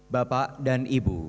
bapak dan ibu